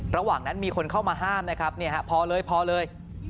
ระหว่างนั้นมีคนเข้ามาห้ามนะครับพอเลยพอเลย